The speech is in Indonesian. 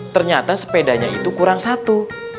ternyata sepedanya itu kurang satu